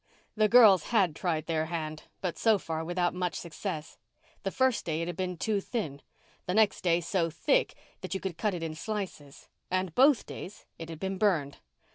The girls had tried their hand, but so far without much success. The first day it had been too thin. The next day so thick that you could cut it in slices. And both days it had been burned.